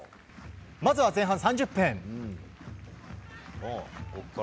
まずは前半３０分。